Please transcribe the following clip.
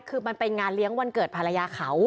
คือมันเป็นงานเลี้ยงวันเกิดภรรยาเขา